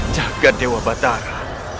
jaga dewa batara